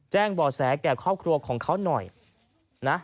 แจ้งบ่อแสแก่ครอบครัวของเขาหน่อยนะ